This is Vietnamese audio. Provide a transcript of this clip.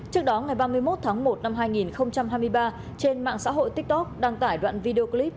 trước đó ngày ba mươi một tháng một năm hai nghìn hai mươi ba trên mạng xã hội tiktok đăng tải đoạn video clip